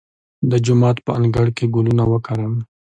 د جومات په انګړ کې ګلونه وکرم؟